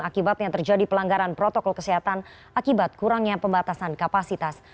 akibatnya terjadi pelanggaran protokol kesehatan akibat kurangnya pembatasan kapasitas